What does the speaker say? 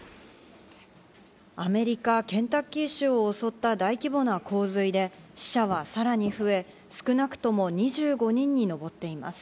アメリカケンタッキー州を襲った大規模な洪水で、死者はさらに増え、少なくとも２５人に上っています。